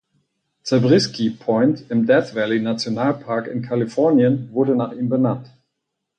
Zabriskie Point im Death-Valley-Nationalpark in Kalifornien wurde nach ihm benannt.